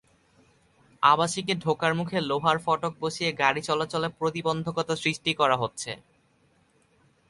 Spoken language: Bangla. আবাসিকে ঢোকার মুখে লোহার ফটক বসিয়ে গাড়ি চলাচলে প্রতিবন্ধকতা সৃষ্টি করা হচ্ছে।